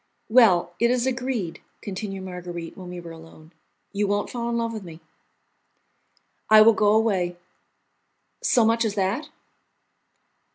"Well, it is agreed," continued Marguerite, when we were alone, "you won't fall in love with me?" "I will go away." "So much as that?"